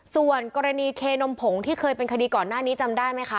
ส่วนกรณีเคนมผงที่เคยเป็นคดีก่อนหน้านี้จำได้ไหมคะ